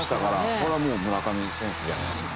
これはもう村上選手じゃないですかね。